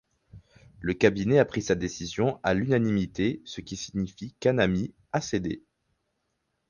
Le cabinet a pris sa décision à l’unanimité ce qui signifie qu’Anami a cédé.